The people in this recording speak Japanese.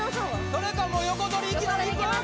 それかもう横取りいきなりいく？